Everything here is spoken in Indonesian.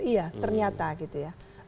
iya ternyata gitu ya